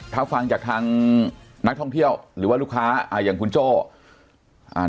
ถ้าฟังจากทางนักท่องเที่ยวหรือว่าลูกค้าอ่าอย่างคุณโจ้อ่า